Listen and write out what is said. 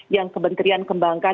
yang kementerian kembangkan